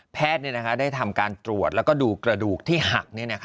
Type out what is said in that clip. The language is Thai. แพทย์ได้ทำการตรวจแล้วก็ดูกระดูกที่หัก